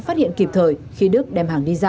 phát hiện kịp thời khi đức đem hàng đi ra